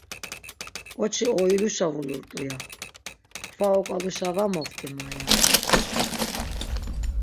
Ǩoçi oiluşa vulurtu, ya; kfa oǩaluşa va moft̆i ma, ya; haşo.